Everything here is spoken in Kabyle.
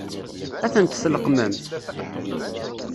Ad tent-tleqqmemt?